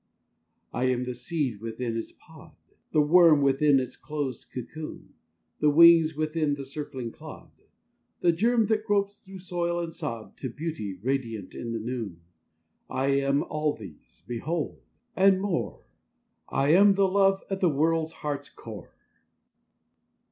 I am the seed within its pod; The worm within its closed cocoon: The wings within the circling clod, The germ that gropes through soil and sod To beauty, radiant in the noon: I am all these, behold! and more I am the love at the world heart's core.